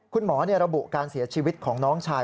คุณหมอระบุการเสียชีวิตของน้องชาย